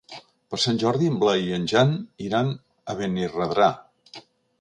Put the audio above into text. Per Sant Jordi en Blai i en Jan iran a Benirredrà.